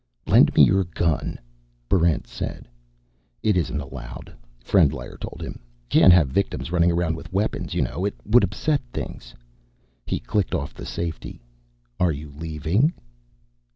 "Lend me your gun," Barrent said. "It isn't allowed," Frendlyer told him. "Can't have victims running around with weapons, you know. It would upset things." He clicked off the safety. "Are you leaving?"